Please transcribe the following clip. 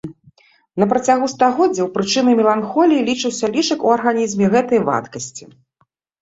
На працягу стагоддзяў прычынай меланхоліі лічыўся лішак у арганізме гэтай вадкасці.